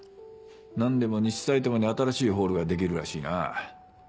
何でも西さいたまに新しいホールが出来るらしいな。